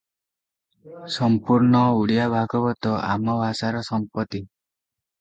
ସମ୍ପୂର୍ଣ୍ଣ ଓଡ଼ିଆ ଭାଗବତ ଆମ ଭାଷାର ସମ୍ପତ୍ତି ।